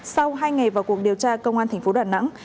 sau hai ngày vào cuộc điều tra công an tp đà nẵng